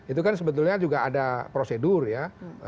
itu kan sebetulnya juga ada prosedur ya